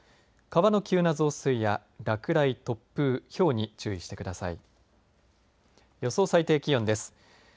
川の急な増水や落雷突風ひょうに注意してください。